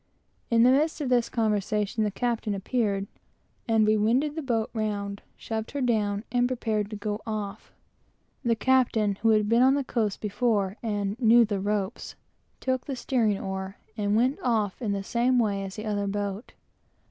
In the midst of this conversation the captain appeared; and we winded the boat round, shoved her down, and prepared to go off. The captain, who had been on the coast before and "knew the ropes," took the steering oar, and we went off in the same way as the other boat.